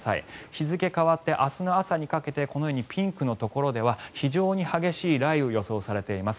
日付が変わって明日の朝にかけてこのようにピンクのところでは非常に激しい雷雨が予想されています。